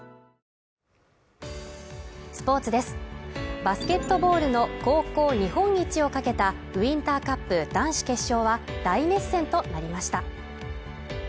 バスケットボールの高校日本一をかけたウインターカップ男子決勝は大熱戦となりました。